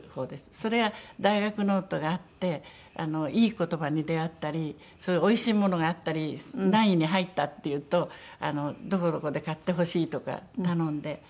それは大学ノートがあっていい言葉に出会ったりそういうおいしいものがあったり何位に入ったっていうとどこどこで買ってほしいとか頼んで。